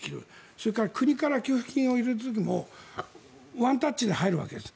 それから国から給付金を入れる時もワンタッチで入るわけです。